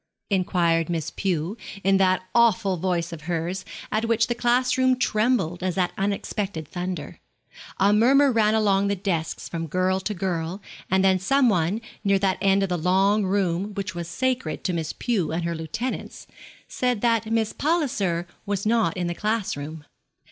inquired Miss Pew, in that awful voice of hers, at which the class room trembled, as at unexpected thunder. A murmur ran along the desks, from girl to girl, and then some one, near that end of the long room which was sacred to Miss Pew and her lieutenants, said that Miss Palliser was not in the class room.